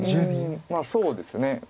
まあそうですね。